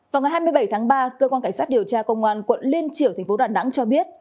vào ngày hai mươi bảy tháng ba cơ quan cảnh sát điều tra công an quận liên triểu thành phố đà nẵng cho biết